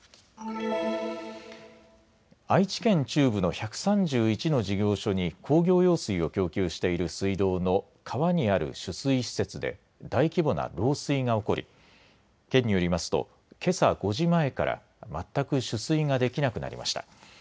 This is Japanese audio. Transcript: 愛知県中部の１３１の事業所に工業用水を供給している水道の川にある取水施設で大規模な漏水が起こり県によりますとけさ５時前から全く取水ができなくなりました。